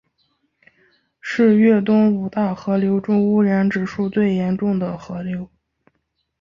是粤东五大河流中污染指数最严重的河流。